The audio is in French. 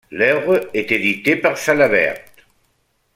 L'œuvre est éditée par Salabert.